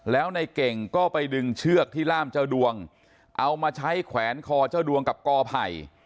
แล้วในเก่งก็ไปดึงเชือกที่ล่ามเจ้าดวงเอามาใช้แขวนคอเจ้าดวงกับกอไผ่